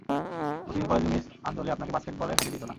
প্রতিদিন কলেজে মিস আঞ্জলি আপনাকে বাস্কেটবলে হারিয়ে দিতো না।